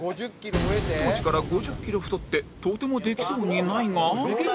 当時から５０キロ太ってとてもできそうにないが